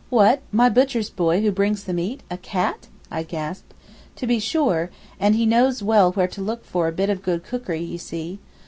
'What my butcher's boy who brings the meat—a cat?' I gasped. 'To be sure, and he knows well where to look for a bit of good cookery, you see.